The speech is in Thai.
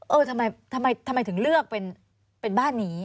เออทำไมถึงเลือกเป็นบ้านนี้